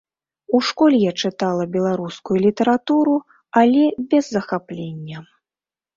У школе я чытала беларускую літаратуру, але без захаплення.